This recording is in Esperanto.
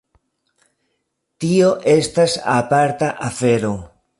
Tio estas aparta afero.